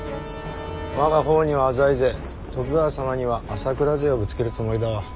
我が方には浅井勢徳川様には朝倉勢をぶつけるつもりだわ。